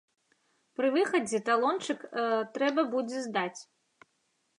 Пры выхадзе талончык трэба будзе здаць.